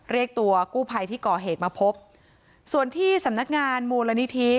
เรียกตัวกู้ภัยที่ก่อเหตุมาพบส่วนที่สำนักงานมูลนิธิ